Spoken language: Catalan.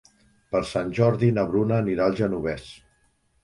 Per Sant Jordi na Bruna anirà al Genovés.